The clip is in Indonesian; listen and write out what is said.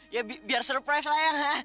ya biar surprise lah ya